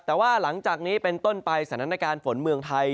แต่ว่าหลังจากนี้เป็นต้นไปสถานการณ์ฝนเมืองไทย